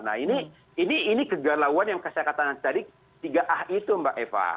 nah ini kegalauan yang saya katakan tadi tiga a itu mbak eva